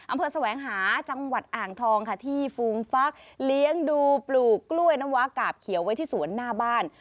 แสวงหาจังหวัดอ่างทองค่ะที่ฟูมฟักเลี้ยงดูปลูกกล้วยน้ำว้ากาบเขียวไว้ที่สวนหน้าบ้าน